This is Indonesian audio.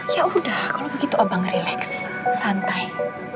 ya udah kalau begitu abang relax santai